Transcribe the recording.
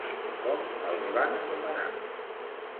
Com els van anomenar?